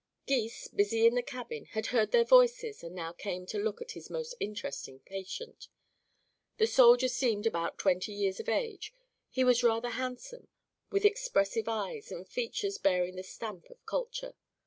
Gys, busy in the cabin, had heard their voices and now came to look at his most interesting patient. The soldier seemed about twenty years of age; he was rather handsome, with expressive eyes and features bearing the stamp of culture.